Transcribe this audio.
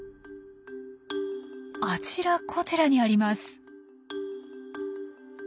あちらこちらにあります。